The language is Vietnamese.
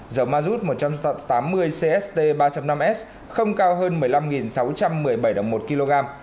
dầu ma rút một trăm tám mươi cst ba trăm linh năm s không cao hơn một mươi năm sáu trăm một mươi bảy đồng một kg